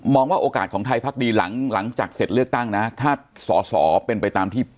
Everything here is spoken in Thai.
มองว่าโอกาสของไทยภาคดีหลังจากเสร็จเลือกตั้งนะ